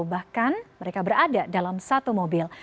bahkan mereka berada dalam satu mobil